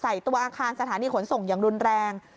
ตัวอาคารสถานีขนส่งอย่างรุนแรง